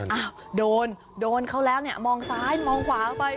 อ้าวโดนโดนเขาแล้วเนี่ยมองซ้ายมองขวาไป